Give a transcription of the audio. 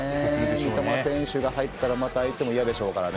三笘選手が入ったらまた相手も嫌でしょうからね。